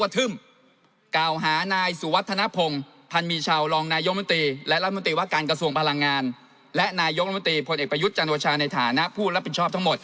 นายกรัฐมนตรีพลเอกประยุทธ์จันโอชาในฐานะผู้รับผิดชอบทั้งหมด